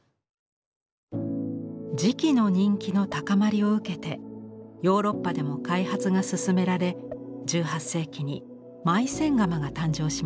磁器の人気の高まりを受けてヨーロッパでも開発が進められ１８世紀にマイセン窯が誕生します。